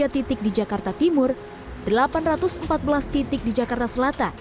tujuh ratus tujuh puluh tiga titik di jakarta timur delapan ratus empat belas titik di jakarta selatan